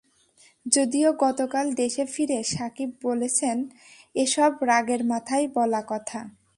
যদিও গতকাল দেশে ফিরে সাকিব বলেছেন, এসব রাগের মাথায় বলা কথা।